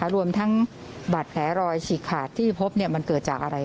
รวมทั้งบาดแผลรอยฉีกขาดที่พบมันเกิดจากอะไร